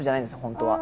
本当は。